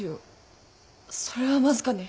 それはまずかね。